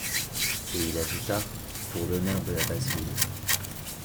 Et il ajouta: — Pour l’honneur de la basse ville.